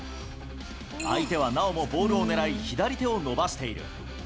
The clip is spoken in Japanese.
相手はなおもボールを狙い、左手を伸ばしている。